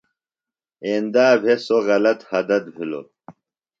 ایندا بھےۡ سوۡ غلط حدت بِھلوۡ۔